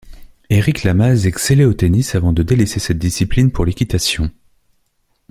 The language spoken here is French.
Éric Lamaze excellait au tennis avant de délaisser cette discipline pour l'équitation.